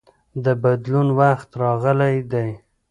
د بدلون وخت راغلی دی.